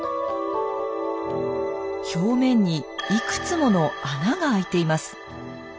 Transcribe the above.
表面にいくつもの穴が開いています。